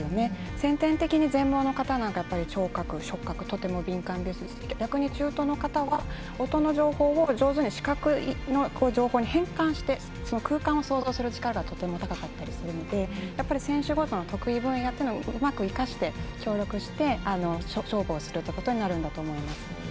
先天的に全盲の方なんかは聴覚、触覚がとても敏感ですし逆に中等の方は音の情報を上手に視覚の情報に変換して、空間を想像する力がとても高かったりするので選手ごとの得意分野をうまく生かして協力して勝負をすることになるんだと思います。